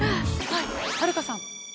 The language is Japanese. はいはるかさん。